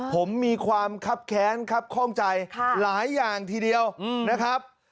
ผมมีความคับแค้นครับข้องใจหลายอย่างทีเดียวนะครับ